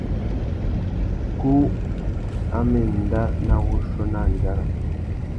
Kú a má enda nà wuchiô nà andjara.